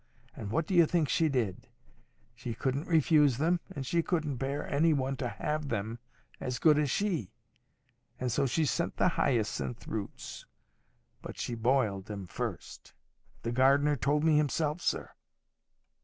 And what do you think she did? She couldn't refuse them, and she couldn't bear any one to have them as good as she. And so she sent the hyacinth roots—but she boiled 'em first. The gardener told me himself, sir.